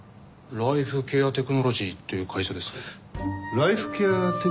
ライフケアテクノロジーってどんな会社です？